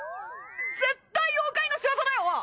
絶対妖怪のしわざだよ！